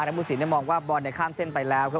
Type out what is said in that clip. นัทธวุฒิเนี่ยมองว่าบอลเนี่ยข้ามเส้นไปแล้วครับ